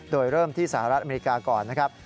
โดยเริ่มที่สหรัฐอเมริกาก่อนนะครับ